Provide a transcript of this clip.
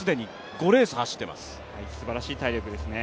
すばらしい体力ですね。